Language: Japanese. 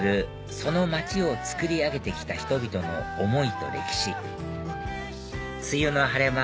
その街をつくり上げて来た人々の思いと歴史梅雨の晴れ間